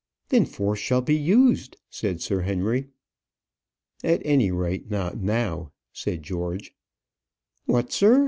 "Then force shall be used," said Sir Henry. "At any rate not now," said George. "What, sir!